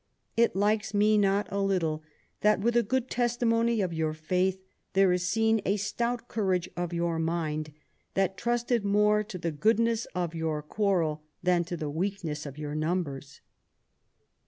It likes me not a little that, with a good testimony of your faith, there is seen a stout courage of your mind, that trusted more to the goodness of your quarrel than to the weakness of your numbers."